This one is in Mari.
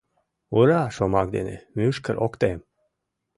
«Ура» шомак дене мӱшкыр ок тем.